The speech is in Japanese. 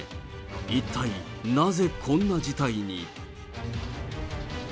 一体なぜこんな事態に。